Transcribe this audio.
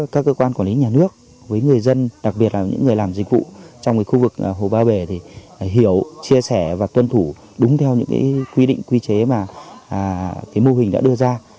các nhà nước với người dân đặc biệt là những người làm dịch vụ trong khu vực hồ ba bể thì hiểu chia sẻ và tuân thủ đúng theo những quy định quy chế mà mô hình đã đưa ra